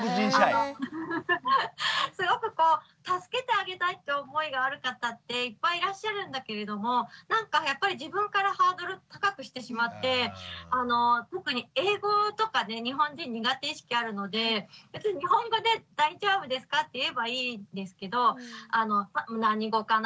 すごく助けてあげたいって思いがある方っていっぱいいらっしゃるんだけれどもなんか自分からハードル高くしてしまって特に英語とかね日本人苦手意識あるので別に日本語で「大丈夫ですか？」って言えばいいんですけど何語かな？